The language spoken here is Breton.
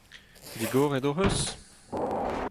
Digoret hoc'h eus ?